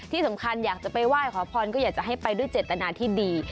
ที่สำคัญอยากจะไปไหว้ขอพรก็อยากจะให้ไปด้วยเจตนาที่ดี